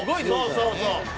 そうそうそう。